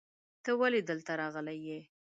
ته ولې دلته راغلی یې؟